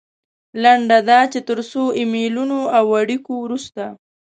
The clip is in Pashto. لنډه دا چې تر څو ایمیلونو او اړیکو وروسته.